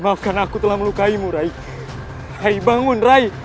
aku harus membawamu dari sini rai